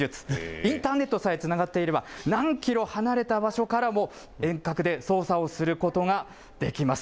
インターネットさえつながっていれば、何キロ離れた場所からも、遠隔で操作をすることができます。